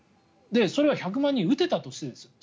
それは１００万人打てたとしてです。